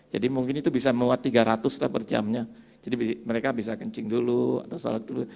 jadi mungkin itu bisa melewat tiga ratus lah per jamnya jadi mereka bisa kencing dulu atau sholat dulu